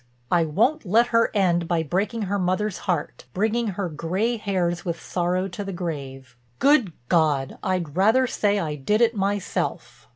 I won't let her end by breaking her mother's heart, bringing her gray hairs with sorrow to the grave. Good God, I'd rather say I did it myself."